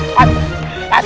ulan buat t berhenti